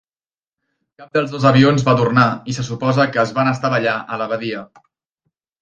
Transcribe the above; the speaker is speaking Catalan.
Cap dels dos avions va tornar, i se suposa que es van estavellar a la badia.